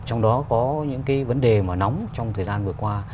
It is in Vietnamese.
trong đó có những cái vấn đề mà nóng trong thời gian vừa qua